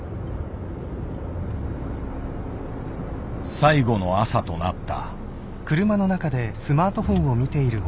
最後の朝となった。